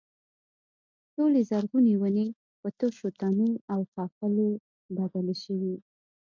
ټولې زرغونې ونې په تشو تنو او ښاخلو بدلې شوې.